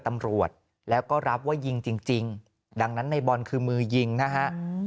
ตำรวจแล้วก็รับว่ายิงจริงดังนั้นในบอลคือมือยิงนะฮะ